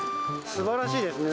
すばらしいですね。